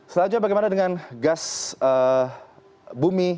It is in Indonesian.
selanjutnya bagaimana dengan gas bumi